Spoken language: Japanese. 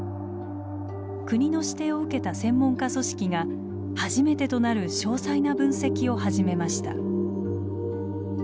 国の指定を受けた専門家組織が初めてとなる詳細な分析を始めました。